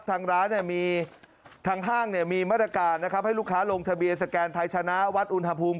ทางห้างมีมาตรการให้ลูกค้าลงทะเบียนสแกนไทยชนะวัดอุณหภูมิ